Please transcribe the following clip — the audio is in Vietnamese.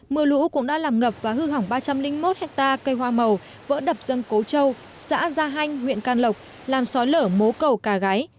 mưa lũ cũng đã làm ngập và hư hỏng ba trăm linh một hectare cây hoa màu vỡ đập dân cố châu xã gia hanh huyện can lộc làm xói lở mố cầu cà gái